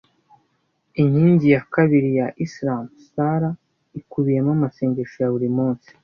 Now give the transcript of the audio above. Inkingi ya kabiri ya Islam Salah ikubiyemo amasengesho ya buri munsi